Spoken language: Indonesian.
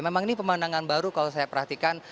memang ini pemandangan baru kalau saya perhatikan